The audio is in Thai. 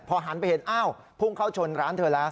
หันไปเห็นอ้าวพุ่งเข้าชนร้านเธอแล้ว